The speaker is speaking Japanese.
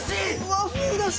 和風だし。